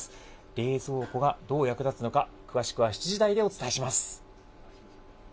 冷蔵庫がどう役立つのか、詳しくは７時台でお伝えします。